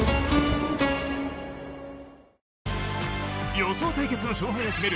予想対決の勝敗を決める